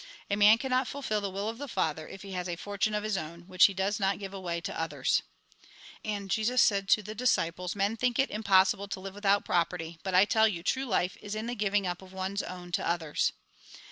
A man cannot fulfil the will of the Father, if he has a fortune of his own, which he does not give away to others." And Jesus said to the disciples :" Men think it A RECAPITULATION 189 impossible to live without property, but I tell you, true life is in the giving up of one's own to others."